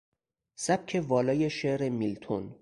سبک والای شعر میلتون